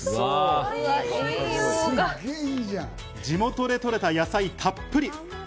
地元で採れた野菜たっぷり。